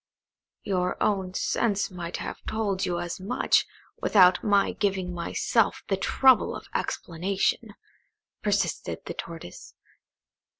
"Your own sense might have told you as much, without my giving myself the trouble of explanation," persisted the Tortoise.